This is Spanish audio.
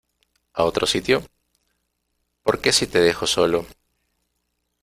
a otro sitio? porque si te dejo solo,